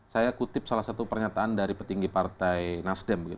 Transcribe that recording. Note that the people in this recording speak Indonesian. saya kutip salah satu pernyataan dari petinggi partai nasdem